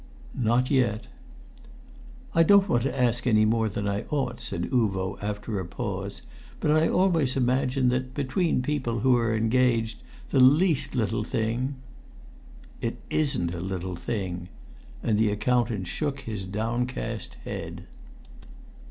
"Not yet." "I don't want to ask more than I ought," said Uvo, after a pause, "but I always imagine that, between people who're engaged, the least little thing " "It isn't a little thing." And the accountant shook his downcast head.